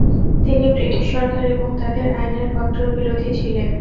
তিনি ব্রিটিশ সরকার এবং তাদের আইনের কট্টর বিরোধী ছিলেন ।